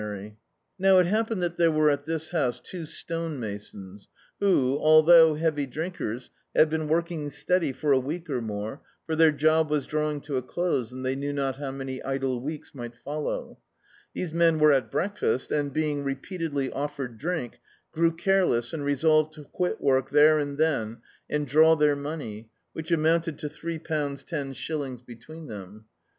Dictzed by Google The Autobiography of a Super Tramp Now it happened that there were at this house two stonemas<His who, althou^ heavy drinkers, had been working steady for a week or more, for their job was drawing to a close, and they knew not how many idle weeks mi^t follow. These men were at breakfast and, being repeatedly offered drink, grew careless and resolved to quit work there and then and draw their money, which amounted to three pounds ten shillings between them.